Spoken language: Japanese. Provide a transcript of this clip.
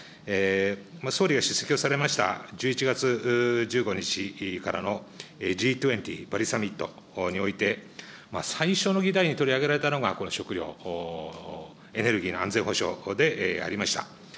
総理が出席をされました１１月１５日からのＧ２０バリサミットにおいて、最初の議題に取り上げられたのが、この食料、エネルギーの安全保障でありました。